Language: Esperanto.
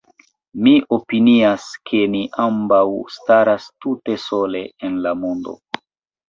Mi opinias, ke ni ambaŭ staras tute sole en la mondo.